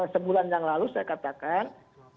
sebulan yang lalu saya katakan